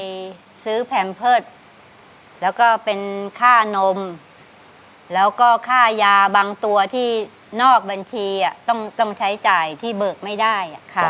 ไปซื้อแพมเพิร์ตแล้วก็เป็นค่านมแล้วก็ค่ายาบางตัวที่นอกบัญชีต้องใช้จ่ายที่เบิกไม่ได้